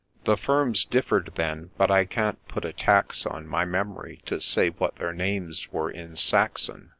The firms differ d then, but I can't put a tax on My memory to say what their names were in Saxon.